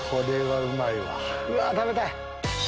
うわっ、食べたい。